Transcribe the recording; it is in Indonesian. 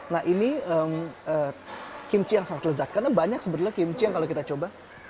nah ini kimchi yang sangat lezat karena banyak sebenarnya kimchi yang kalau kita coba